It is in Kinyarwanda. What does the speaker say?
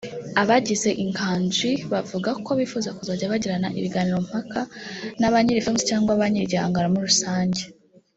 Abagize inganji bavuga ko bifuza kuzajya bagirana ibiganiro mpaka naba nyiri films cyangwa banyiri igihangano muri rusange